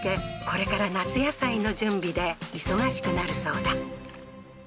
これから夏野菜の準備で忙しくなるそうだ